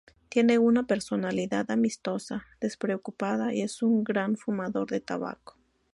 Tiene una personalidad amistosa, despreocupada y es un gran fumador de tabaco.